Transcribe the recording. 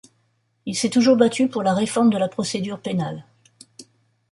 Il s'est toujours battu pour la réforme de la procédure pénale.